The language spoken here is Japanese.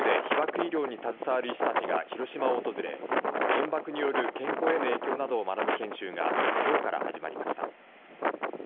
医療に携わる医師たちが広島を訪れ原爆による健康への影響などを学ぶ研修がきょうから始まりました。